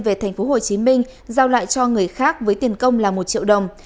về tp hcm giao lại cho người khác với tiền công là một triệu đồng